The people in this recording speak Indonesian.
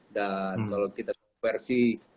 dan kalau kita versi